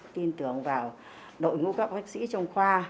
tin tưởng vào đội ngũ các bác sĩ trong khoa